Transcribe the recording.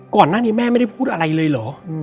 ก่อนหน้านี้แม่ไม่ได้พูดอะไรเลยเหรอ